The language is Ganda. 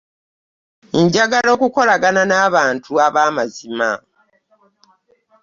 njagala okukolagana n'abantu ab'amazima.